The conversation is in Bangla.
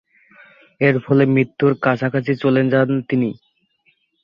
এর ফলে মৃত্যুর কাছাকাছি চলে যান তিনি।